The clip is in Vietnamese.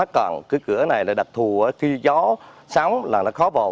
còn cái cửa này là đặc thù khi gió sáng là nó khó vào